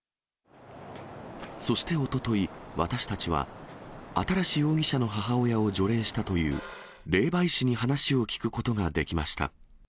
そしておととい、私たちは新容疑者の母親を除霊したという霊媒師に話を聞くことができました。